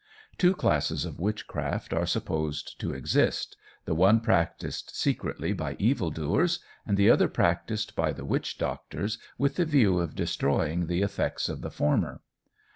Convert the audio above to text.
Two classes of witchcraft are supposed to exist the one practised secretly by evil doers, and the other practised by the witch doctors with the view of destroying the effects of the former.